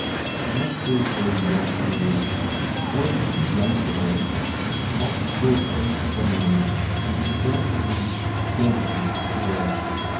He must save Gurdy more pain. The boy was too young for this. Mark s throat ached suddenly and he began to weep, soent in his chair.